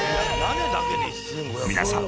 皆さん